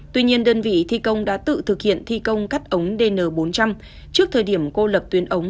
tuy nhiên đơn vị thi công đã tự thực hiện thi công cắt ống dn bốn trăm linh trước thời điểm cô lập tuyến ống